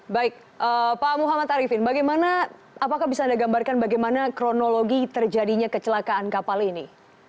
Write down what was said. baik pak muhammad arifin apakah bisa anda gambarkan bagaimana kronologi terjadinya kecelakaan kapal ini